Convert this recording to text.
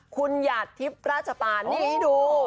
คุณหยาดทริปราชปาลนี่ดู